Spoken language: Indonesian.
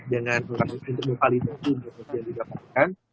dengan mengakibatkan intimal validasi yang bisa dilakukan